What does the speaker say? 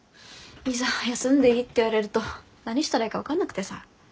いざ休んでいいって言われると何したらいいか分かんなくてさ。